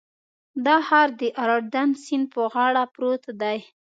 دا ښار د اردن سیند په غاړه پروت دی.